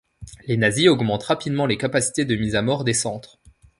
Les nazis augmentent rapidement les capacités de mise à mort des centres.